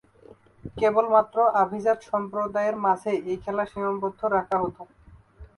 কেবলমাত্র অভিজাত সম্প্রদায়ের মাঝেই এ খেলা সীমাবদ্ধ রাখা হতো।